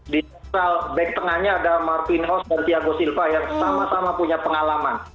di tengahnya ada martin hoos dan thiago silva yang sama sama punya pengalaman